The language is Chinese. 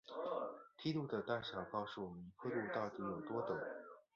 梯度的大小告诉我们坡度到底有多陡。